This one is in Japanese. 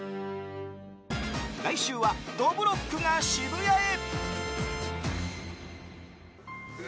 来週は、どぶろっくが渋谷へ！